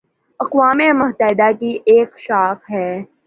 اقوام متحدہ کی ایک شاخ ہے